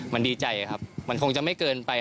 มันดีใจครับมันคงจะไม่เกินไป